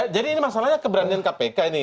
jadi ini masalahnya keberanian kpk ini